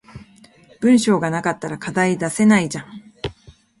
文章が無かったら課題出せないじゃん